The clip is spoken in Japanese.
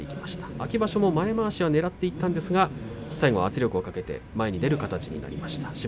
秋場所も前まわしをねらっていったんですが最後圧力を掛けて前に出る形になりました。